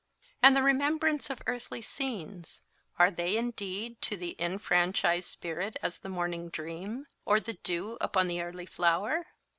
And the remembrance of earthly scenes, are they indeed to the enfranchised spirit as the morning dream, or the dew upon the early flower?